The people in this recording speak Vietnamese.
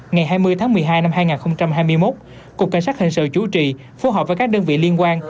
ngày hai mươi tháng một mươi hai năm hai nghìn hai mươi một cục cảnh sát hình sự chủ trì phối hợp với các đơn vị liên quan